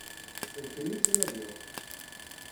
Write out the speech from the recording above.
D kemm i ttnadiɣ.